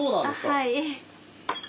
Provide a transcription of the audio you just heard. はい。